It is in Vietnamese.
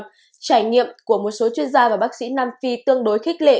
trải nghiệm của một số chuyên gia và bác sĩ nam phi tương đối khích lệ